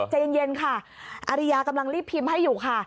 ใจเย็นค่ะอริยากำลังรีบพิมพ์ให้อยู่ค่ะ